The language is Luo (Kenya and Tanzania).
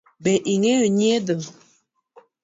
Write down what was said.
Be ing’eyo nyiedho?